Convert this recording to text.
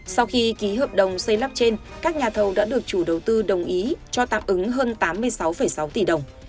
sau khi ký hợp đồng xây lắp trên các nhà thầu đã được chủ đầu tư đồng ý cho tạm ứng hơn tám mươi sáu sáu tỷ đồng